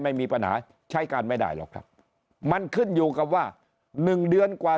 ไม่มีปัญหาใช้การไม่ได้หรอกครับมันขึ้นอยู่กับว่าหนึ่งเดือนกว่า